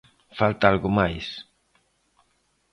Falta algo máis.